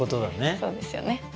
そうですよね